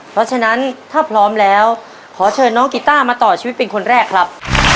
เพราะฉะนั้นถ้าพร้อมแล้วขอเชิญน้องกีต้ามาต่อชีวิตเป็นคนแรกครับ